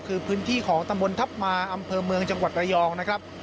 คือพื้นที่ของตำบลทัพมาอำเภอเมืองจังหวัดระยองนะครับ